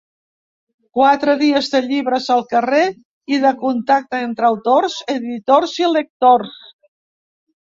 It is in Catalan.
Quatre dies de llibres al carrer i de contacte entre autors, editors i lectors.